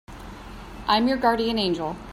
I'm your guardian angel.